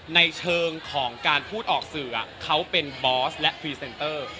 ในเชิงของการพูดออกสื่อเขาเป็นบอสและพรีเซนเตอร์